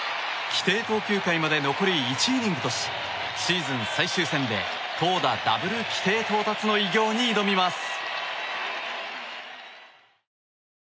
規定投球回まで残り１イニングとしシーズン最終戦で投打ダブル規定到達の偉業に挑みます。